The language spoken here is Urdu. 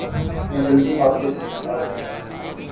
میں جلدی داپس آجاؤنگا ۔